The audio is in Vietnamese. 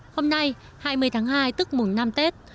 hôm nay hai mươi tháng hai tức mùng năm tết